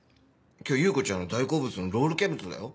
今日優子ちゃんの大好物のロールキャベツだよ。